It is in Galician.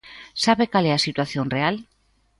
¿Sabe cal é a situación real?